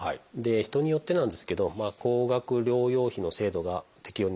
人によってなんですけど高額療養費の制度が適用になることもあります。